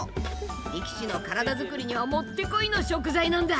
力士の体づくりにはもってこいの食材なんだ。